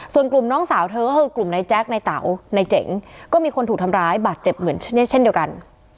ส่วนกลุ่มน้องสาวเธอก็คือกลุ่มนายแจ๊คในเต๋าในเจ๋งก็มีคนถูกทำร้ายบาดเจ็บเหมือนเช่นนี้เช่นเดียวกัน